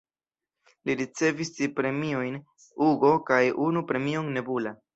Li ricevis tri premiojn Hugo kaj unu premion Nebula.